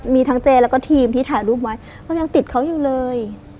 มีทั้งเจแล้วก็ทีมที่ถ่ายรูปไว้ก็ยังติดเขาอยู่เลย